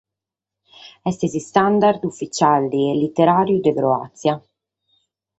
Est s’istandard ufitziale e literàriu de Croàtzia.